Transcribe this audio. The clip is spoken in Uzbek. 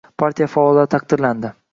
Partiya faollari taqdirlandi